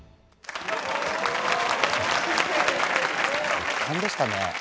圧巻でしたね。